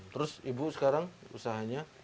terus ibu sekarang usahanya